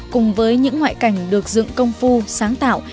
cùng với những ngoại cảnh được dựng công phu sáng tạo